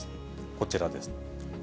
こちらです。